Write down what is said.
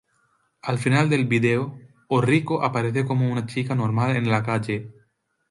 Al final del video, Orrico aparece como una chica normal en la calle.